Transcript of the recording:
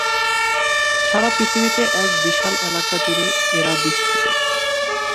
সারা পৃথিবীতে এক বিশাল এলাকা জুড়ে এরা বিস্তৃত।